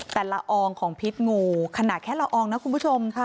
ละอองของพิษงูขนาดแค่ละอองนะคุณผู้ชม